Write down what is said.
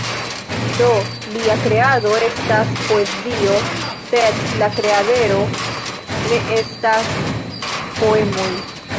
Do, lia kreado estas poezio, sed la kreaderoj ne estas poemoj!